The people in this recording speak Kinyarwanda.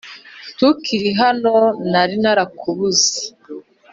ntukiri hano nari nara kubuze